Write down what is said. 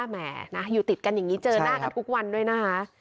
แหมนะอยู่ติดกันอย่างนี้เจอหน้ากันทุกวันด้วยนะคะ